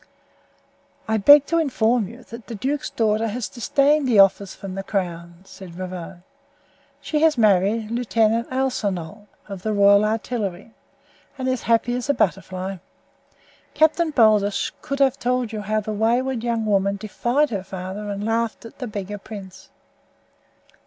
"I beg to inform you that the duke's daughter has disdained the offer from the crown," said Ravone. "She has married Lieutenant Alsanol, of the royal artillery, and is as happy as a butterfly. Captain Baldos could have told you how the wayward young woman defied her father and laughed at the beggar prince."